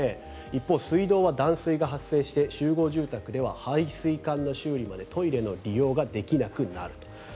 一方、水道は断水が発生して集合住宅では排水管の修理までトイレの利用ができなくなると。